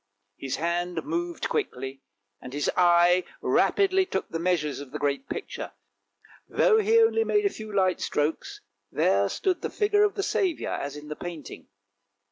His hand moved quickly, and his eye rapidly took the measures of the great picture ; though he only made a few light strokes, there stood the figure of the Saviour, as in the painting.